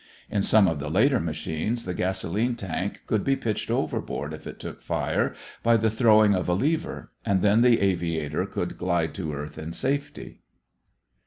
In some of the later machines the gasolene tank could be pitched overboard if it took fire, by the throwing of a lever, and then the aviator could glide to earth in safety.